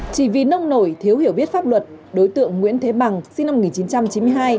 chỉ vì nông nổi thiếu hiểu biết pháp luật đối tượng nguyễn thế bằng sinh năm một nghìn chín trăm chín mươi hai